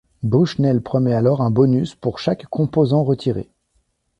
Bushnell promet alors un bonus pour chaque composant retiré.